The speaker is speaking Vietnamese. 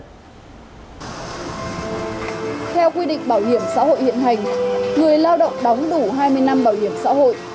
theo quy định bảo hiểm xã hội hiện hành người lao động đóng đủ hai mươi năm bảo hiểm xã hội